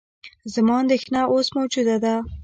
زما اندېښنه اوس موجوده ده.